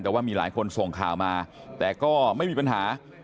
แต่ว่ามีหลายคนส่งข่าวมาแต่ก็ไม่มีปัญหา